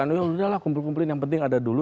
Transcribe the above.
yaudahlah kumpul kumpulin yang penting ada dulu